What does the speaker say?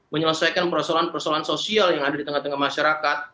menyelesaikan persoalan persoalan sosial yang ada di tengah tengah masyarakat